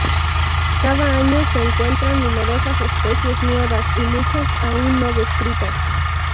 Cada año se encuentran numerosas especies nuevas y muchas aún no descritas.